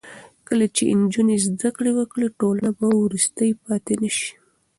کله چې نجونې زده کړه وکړي، ټولنه به وروسته پاتې نه شي.